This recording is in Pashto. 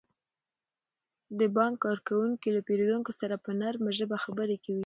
د بانک کارکوونکي له پیرودونکو سره په نرمه ژبه خبرې کوي.